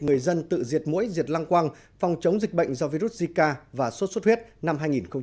người dân tự diệt mũi diệt lăng quang phòng chống dịch bệnh do virus zika và sốt suốt huyết năm hai nghìn một mươi sáu